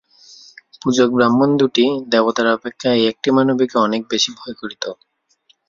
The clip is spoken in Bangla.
পূজক ব্রাহ্মণ দুটি দেবতার অপেক্ষা এই একটি মানবীকে অনেক বেশি ভয় করিত।